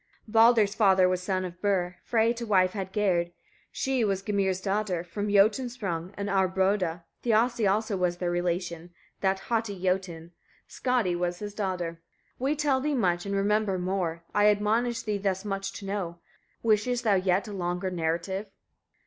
30. Baldr's father was son of Bur: Frey to wife had Gerd, she was Gymir's daughter, from Jotuns sprung and Aurboda; Thiassi also was their relation, that haughty Jotun; Skadi was his daughter. 31. We tell thee much, and remember more: I admonish thee thus much to know. Wishest thou yet a longer narrative?